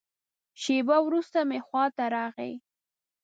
شېبه وروسته مې خوا ته راغی.